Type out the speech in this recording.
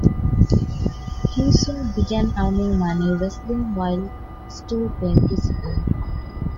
He soon began earning money wrestling while still going to school.